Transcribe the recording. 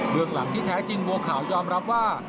เมืองหลังที่แท้จริงบัวขาวยอมรับว่า